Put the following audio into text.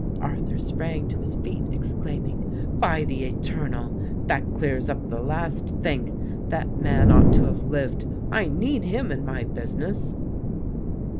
Arthur sprang to his feet, exclaiming, "By the Eternal! That clears up the last thing. That man ought to have lived. I need him in my business."